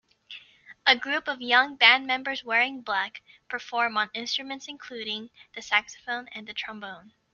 A group of young band members wearing black perform on instruments including the saxophone and the trombone.